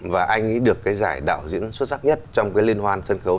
và anh ấy được cái giải đạo diễn xuất sắc nhất trong cái liên hoan sân khấu